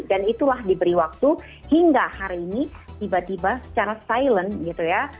dan itulah diberi waktu hingga hari ini tiba tiba secara silent gitu ya